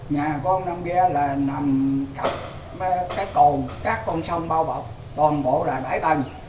nhà của ông nam gia là nằm cặp cái cồn các con sông bao bọc toàn bộ là bãi tầng